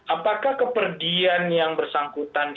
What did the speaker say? apakah keperdian yang bersangkutan